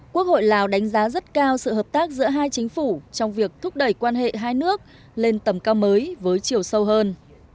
quốc hội lào đánh giá rất cao sự hợp tác giữa hai chính phủ trong việc thúc đẩy quan hệ hai nước lên tầm cao mới với chiều sâu hơn